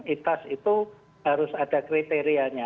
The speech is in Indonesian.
itas itu harus ada kriterianya